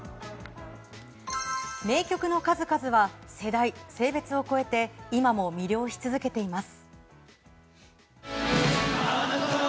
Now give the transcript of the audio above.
名曲の数々は世代・性別を超えて今も魅了し続けています。